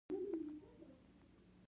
زاهدي صیب په کومه پلمه ځان خلاص کړی و.